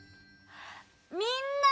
みんな！